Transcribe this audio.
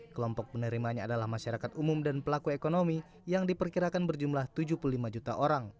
kelompok penerimanya adalah masyarakat umum dan pelaku ekonomi yang diperkirakan berjumlah tujuh puluh lima juta orang